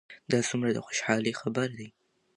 دا څومره د خوشحالۍ خبر ده؟